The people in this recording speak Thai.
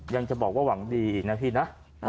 ยังจะบอกว่าหวังดีอีกนะพี่นะ